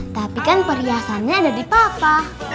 tapi kan perhiasannya ada di papa